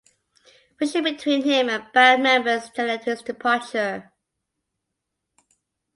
Friction between him and bandmembers led to his departure.